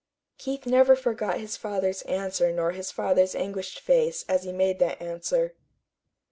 Keith never forgot his father's answer nor his father's anguished face as he made that answer.